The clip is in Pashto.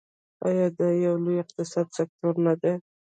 آیا دا یو لوی اقتصادي سکتور نه دی؟